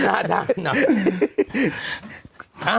หน้าด้านน่ะ